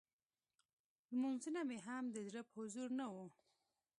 لمونځونه مې هم د زړه په حضور نه وو.